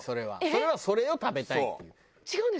それはそれを食べたいっていう。